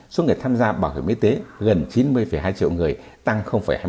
số người tham gia bảo hiểm y tế gần chín mươi hai triệu người tăng hai mươi